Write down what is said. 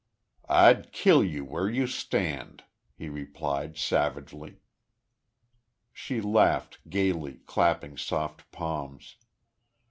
"I'd kill you where you stand!" he replied, savagely. She laughed, gaily, clapping soft palms.